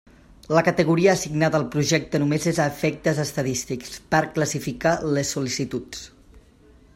La categoria assignada al projecte només és a efectes estadístics, per classificar les sol·licituds.